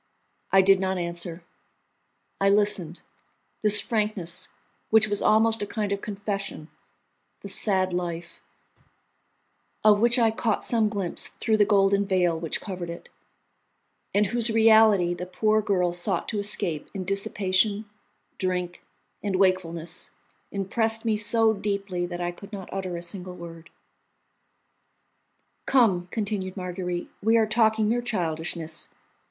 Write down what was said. I did not answer; I listened. This frankness, which was almost a kind of confession, the sad life, of which I caught some glimpse through the golden veil which covered it, and whose reality the poor girl sought to escape in dissipation, drink, and wakefulness, impressed me so deeply that I could not utter a single word. "Come," continued Marguerite, "we are talking mere childishness.